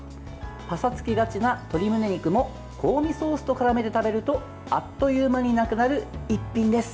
パサつきがちな鶏むね肉も香味ソースと絡めて食べるとあっという間になくなる一品です。